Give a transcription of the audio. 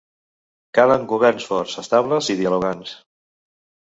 Calen governs forts, estables i dialogants